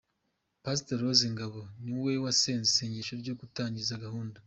Pastor Rose Ngabo ni we wasenze isengesho ryo gutangiza gahunda.